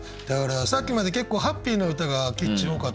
だからさっきまで結構ハッピーな歌が「キッチン」